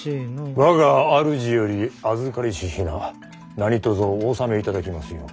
我が主より預かりし品何とぞお納めいただきますよう。